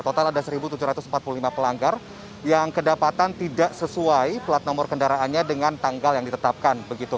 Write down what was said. total ada satu tujuh ratus empat puluh lima pelanggar yang kedapatan tidak sesuai plat nomor kendaraannya dengan tanggal yang ditetapkan